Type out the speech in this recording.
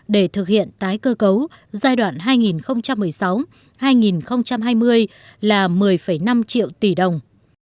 để thực hiện tái cơ cấu giai đoạn hai nghìn một mươi sáu hai nghìn hai mươi là một mươi năm triệu tỷ đồng